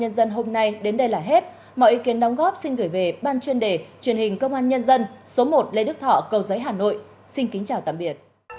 hãy đăng ký kênh để ủng hộ kênh mình nhé